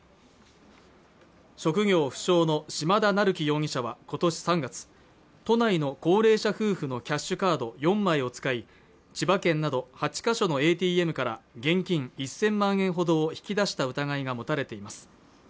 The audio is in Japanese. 職業不詳の島田匠輝容疑者は今年３月都内の高齢者夫婦のキャッシュカード４枚を使い千葉県など８か所のＡＴＭから現金１０００万円ほどを引き出した疑いが持たれています